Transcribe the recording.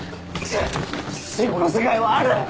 死後の世界はある！